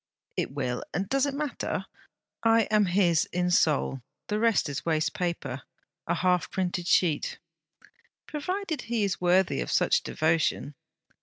It will; and does it matter? I am his in soul; the rest is waste paper a half printed sheet.' 'Provided he is worthy of such devotion!'